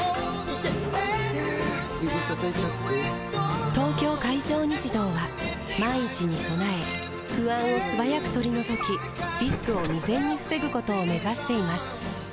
指たたいちゃって・・・「東京海上日動」は万一に備え不安を素早く取り除きリスクを未然に防ぐことを目指しています